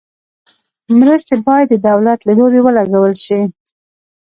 مرستې باید د دولت له لوري ولګول شي.